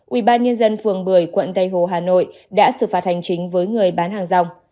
ủy ban nhân dân phường bưởi quận tây hồ hà nội đã xử phạt hành chính với người bán hàng rong